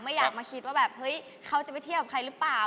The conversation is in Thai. อยากมาคิดว่าแบบเฮ้ยเขาจะไปเที่ยวกับใครหรือเปล่า